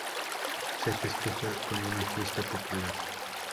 Se festeja con una fiesta popular.